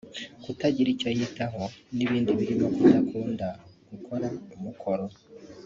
kutagira icyo yitaho n’ibindi birimo kudakunda gukora umukoro